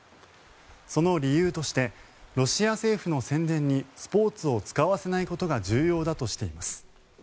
その理由としてロシア政府の宣伝にスポーツを使わせないことが重要だとしています。